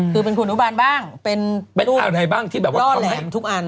คือเป็นคุณุบันบ้างเป็นล่อแหล่มทุกอัน